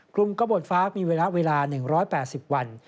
กลุ่มกระบวนฟ้ามีเวลา๑๘๐วัน